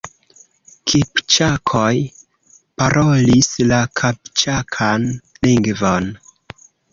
Kipĉakoj parolis la kipĉakan lingvon.